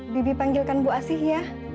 bibi panggilkan bu asih ya